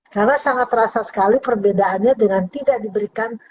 karena sangat terasa sekali perbedaannya dengan tidak diberikan